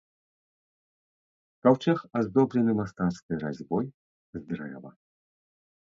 Каўчэг аздоблены мастацкай разьбой з дрэва.